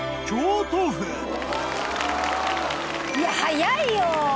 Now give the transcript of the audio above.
いや早いよ！